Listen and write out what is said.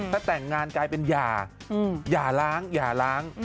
ถ้าแต่งงานกลายเป็นหย่าหย่าล้างใช่ไหม